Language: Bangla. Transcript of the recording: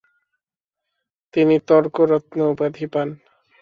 তিনি ‘তর্করত্ন’ উপাধি পান।